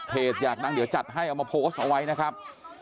อยากดังเดี๋ยวจัดให้เอามาโพสต์เอาไว้นะครับ